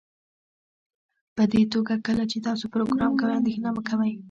پدې توګه کله چې تاسو پروګرام کوئ اندیښنه مه کوئ